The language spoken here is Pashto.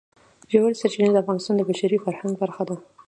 ژورې سرچینې د افغانستان د بشري فرهنګ برخه ده.